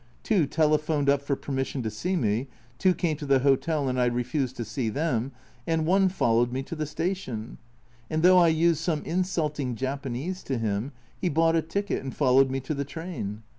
Two telephoned up for permission to see me, two came to the hotel, and I refused to see them, and one followed me to the station, and though I used some insulting Japanese to him, he bought a ticket and followed me to the train.